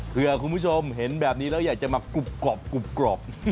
เพื่อคุณผู้ชมเห็นแบบนี้แล้วอยากจะมากรุบกรอบ